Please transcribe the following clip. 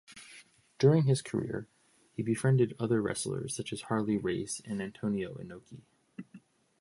During his career, he befriended other wrestlers such as Harley Race and Antonio Inoki.